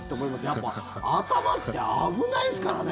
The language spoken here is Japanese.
やっぱり頭って危ないですからね。